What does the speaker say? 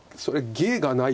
芸がない。